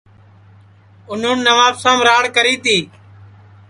اُنون نوابشام راڑ کری تی